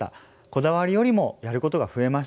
こだわりよりもやることが増えました。